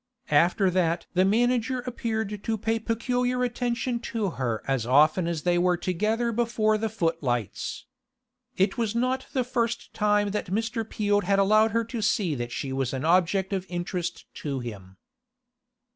After that the manager appeared to pay peculiar attention to her as often as they were together before the footlights. It was not the first time that Mr. Peel had allowed her to see that she was an object of interest to him.